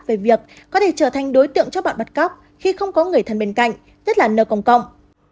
về việc có thể trở thành đối tượng cho bọn bắt cóc khi không có người thân bên cạnh nhất là nơi công cộng